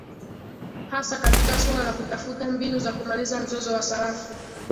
hasa katika swala la kutafuta mbinu za kumaliza mzozo wa sarafu